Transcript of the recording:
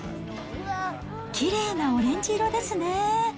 きれいなオレンジ色ですね。